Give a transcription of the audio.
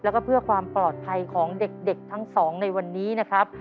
แล้วก็เพื่อความปลอดภัยของเด็กทั้งสองในวันนี้นะครับ